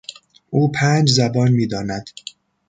او پنج زبان میداند.